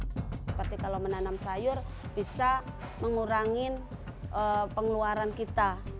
seperti kalau menanam sayur bisa mengurangi pengeluaran kita